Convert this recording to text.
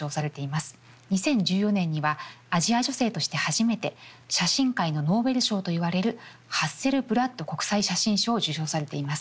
２０１４年にはアジア女性として初めて写真界のノーベル賞といわれるハッセルブラッド国際写真賞を受賞されています。